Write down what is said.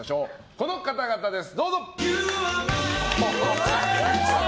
この方々です！